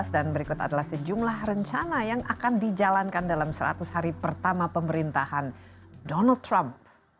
dan berikut adalah sejumlah rencana yang akan dijalankan dalam seratus hari pertama pemerintahan donald trump